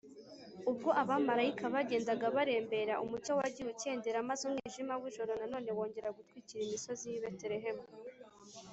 Ubwo abamarayika bagendaga barembera, umucyo wagiye ukendera, maze umwijima w’ijoro na none wongera gutwikira imisozi y’i Beterehemu